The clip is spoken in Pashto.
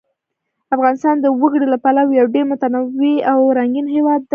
افغانستان د وګړي له پلوه یو ډېر متنوع او رنګین هېواد دی.